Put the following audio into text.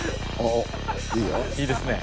いいですね